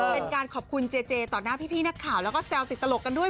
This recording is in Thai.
เป็นการขอบคุณเจเจต่อหน้าพี่นักข่าวแล้วก็แซวติดตลกกันด้วย